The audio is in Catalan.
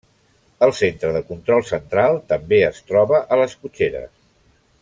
El Centre de Control Central també es troba a les cotxeres.